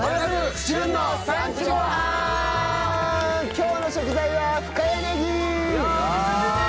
今日の食材は深谷ねぎ！